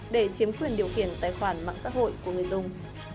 để chiếm quyền điều khiển tài khoản mạng xã hội của người dùng